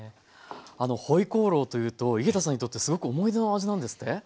あの回鍋肉というと井桁さんにとってすごく思い出の味なんですって？